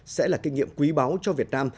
sẽ là kinh nghiệm quý báu cho việt nam